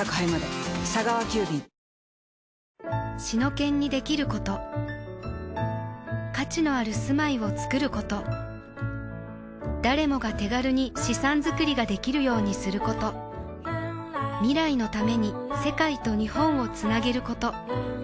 シノケンにできること価値のある住まいをつくること誰もが手軽に資産づくりができるようにすること未来のために世界と日本をつなげること